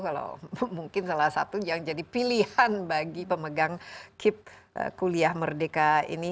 kalau mungkin salah satu yang jadi pilihan bagi pemegang kip kuliah merdeka ini